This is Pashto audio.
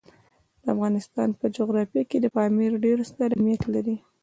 د افغانستان په جغرافیه کې پامیر ډېر ستر اهمیت لري.